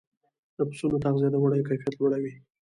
د پسونو تغذیه د وړیو کیفیت لوړوي.